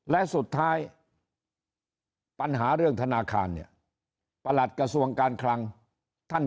และสุดท้ายปัญหาเรื่องธนาคารเนี่ยประหลัดกระทรวงการคลังท่าน